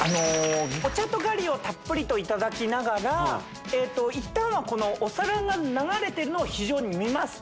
お茶とガリをたっぷりといただきながらいったんはお皿が流れてるのを非常に見ます